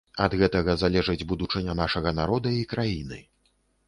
Ад гэтага залежыць будучыня нашага народа і краіны.